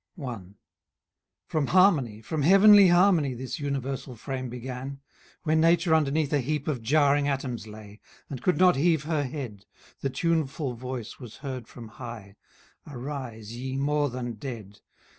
I. From harmony, from heavenly harmony, This universal frame began: When nature underneath a heap Of jarring atoms lay, And could not heave her head, The tuneful voice was heard from high, "Arise, ye more than dead."